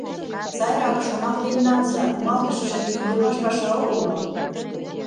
Сайрак шоналтен налза: кумалтышыже кӱлдымаш паша огыл мо?